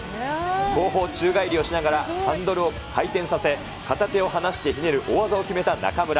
後方宙返りをしながら、ハンドルを回転させ、片手を離してひねる大技を決めた中村。